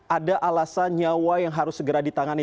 ada alasan nyawa yang harus di tangani